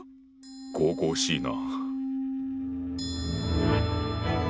神々しいな。